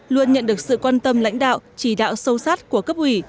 luôn nhận được sự quan tâm lãnh đạo chỉ đạo sâu sát của cấp ủy